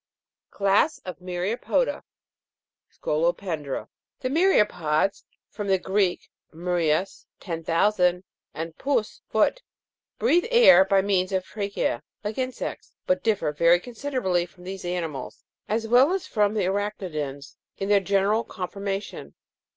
CLASS OF MYRIA'PODA. 19. The Myria'pods (from the Greek, murias^ ten thousand, and pous, foot) breathe air by means of tracheae, like insects, but differ very considerably from these animals, as well as from arach'nidans, in their general conformation.